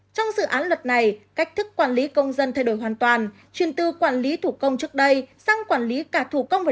trong dự án luật này cách thức quản lý công dân thay đổi hoàn toàn chuyển từ quản lý thủ công trước đây sang quản lý công dân